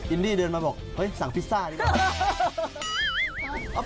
อินดี้เดินมาบอกเฮ้ยสั่งพิซซ่าดีกว่า